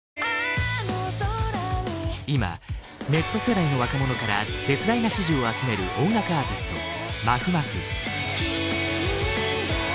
今ネット世代の若者から絶大な支持を集める音楽アーティストまふまふ。